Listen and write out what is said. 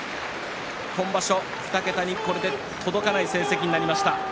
今場所２桁にこれで届かない成績になりました。